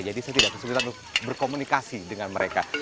jadi saya tidak kesulitan untuk berkomunikasi dengan mereka